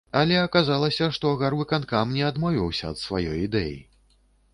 Але аказалася, што гарвыканкам не адмовіўся ад сваёй ідэі.